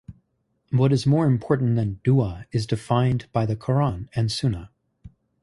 What is more important than du'a is defined by the Quran and Sunnah.